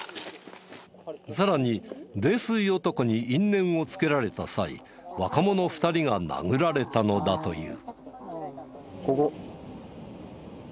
さらに泥酔男に因縁をつけられた際若者２人が殴られたのだという。